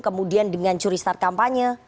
kemudian dengan curi start kampanye